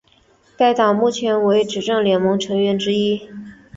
该党目前为执政联盟成员之一。